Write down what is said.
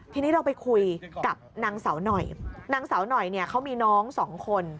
ทีนี้เราไปคุยกับนางเสาหน่อยนางสาวหน่อยเนี่ยเขามีน้องสองคน